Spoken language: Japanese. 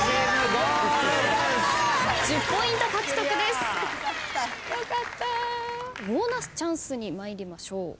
ボーナスチャンスに参りましょう。